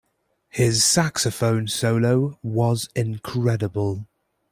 His saxophone solo was incredible.